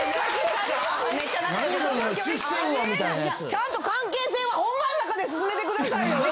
ちゃんと関係性は本番の中で進めてくださいよ。